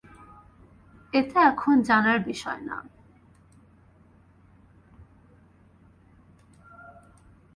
এটা এখন জানার বিষয় না।